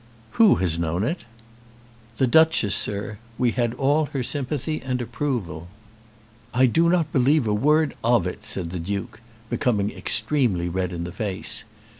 "Who has known it?" "The Duchess, sir. We had all her sympathy and approval." "I do not believe a word of it," said the Duke, becoming extremely red in the face.